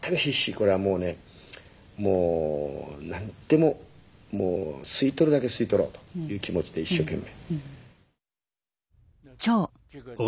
これはもうねもう何でも吸い取るだけ吸い取ろうという気持ちで一生懸命。